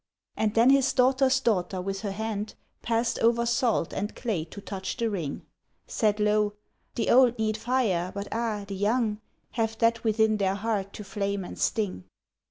And then his daughter's daughter with her hand Passed over salt and clay to touch the ring, Said low, ' The old need fire, but ah ! the young Have that within their heart to flame and sting.'